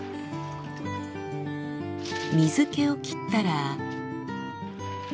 水けを切ったら。